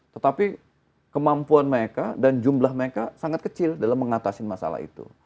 tetapi kemampuan mereka dan jumlah mereka sangat kecil dalam mengatasi masalah itu